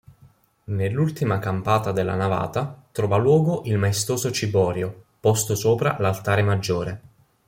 Nell'ultima campata della navata, trova luogo il maestoso ciborio, posto sopra l'altare maggiore.